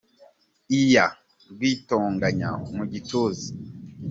Iya rwitonganya mu gituza